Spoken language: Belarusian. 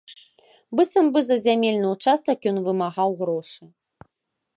Быццам бы за зямельны ўчастак ён вымагаў грошы.